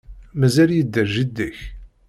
Mazal yedder jeddi-k?